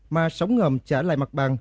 mà sống ngầm trả lại mặt bằng